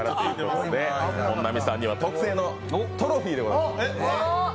本並さんには特製のトロフィーでございます。